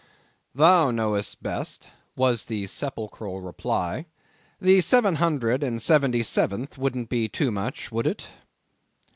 "Thou knowest best," was the sepulchral reply, "the seven hundred and seventy seventh wouldn't be too much, would it?